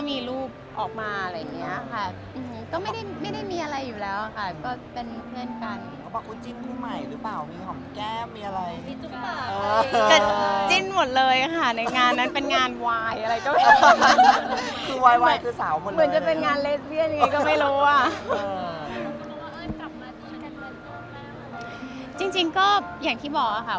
มาตี้สระโสเป็นหรือยังคะ